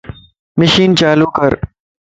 مشين چالو ڪر